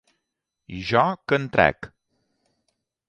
I jo què en trec?